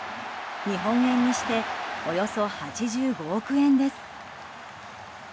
日本円にしておよそ８５億円です。